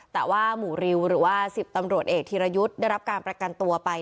แต่ว่าหมู่ริวหรือว่า๑๐ตำรวจเอกธีรยุทธ์ได้รับการประกันตัวไป